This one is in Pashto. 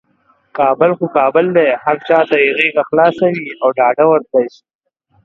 کابل خو کابل دی، هر چاته یې غیږه خلاصه وي او ډاده ورتللی شي.